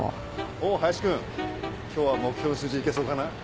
お林君今日は目標の数字いけそうかな？